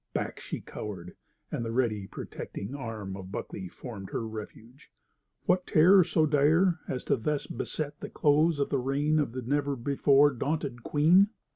Back she cowered, and the ready, protecting arm of Buckley formed her refuge. What terror so dire as to thus beset the close of the reign of the never before daunted Queen?